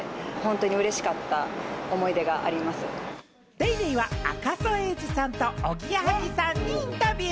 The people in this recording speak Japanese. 『ＤａｙＤａｙ．』は赤楚衛二さんとおぎやはぎさんにインタビュー。